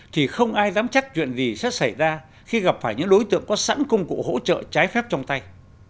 thì không ai dám chắc chuyện gì sẽ xảy ra khi gặp phải những đối tượng có sẵn công cụ hỗ trợ trái phép trong tay